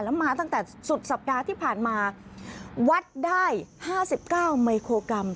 แล้วมาตั้งแต่สุดสัปดาห์ที่ผ่านมาวัดได้๕๙มิโครกรัม